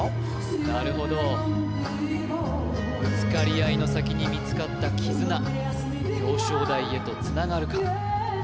なるほどぶつかり合いの先に見つかった絆表彰台へとつながるか？